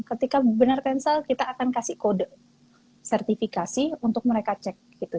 ketika benar cancel kita akan kasih kode sertifikasi untuk mereka cek gitu